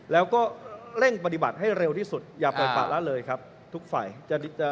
แล้วก็เร่งปฏิบัติให้เร็วที่สุดอย่าปล่อยปะละเลยครับทุกฝ่าย